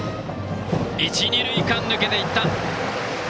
一、二塁間抜けていった！